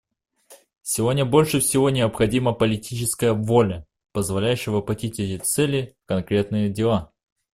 Сегодня больше всего необходима политическая воля, позволяющая воплотить эти цели в конкретные дела.